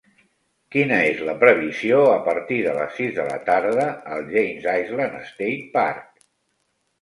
quina és la previsió a partir de les sis de la tarda al Janes Island State Park